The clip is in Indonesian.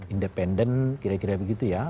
independen kira kira begitu ya